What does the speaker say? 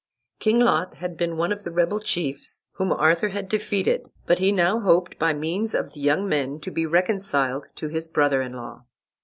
King Lot had been one of the rebel chiefs whom Arthur had defeated, but he now hoped by means of the young men to be reconciled to his brother in law.